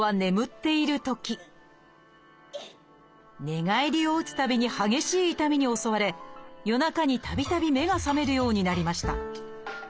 寝返りを打つたびに激しい痛みに襲われ夜中にたびたび目が覚めるようになりました。